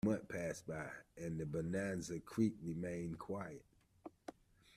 A month passed by, and Bonanza Creek remained quiet.